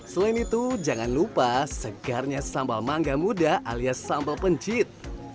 selain itu jangan lupa segarnya sambal mangga muda alias sambal pencit